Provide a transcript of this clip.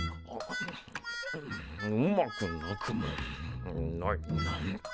うまくなくもないな。